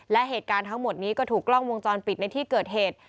และเหตุการณ์ทั้งหมดนี้ก็ถูกกล้องวงจรปิดในที่เกิดเหตุ